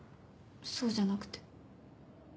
そうじゃなくて。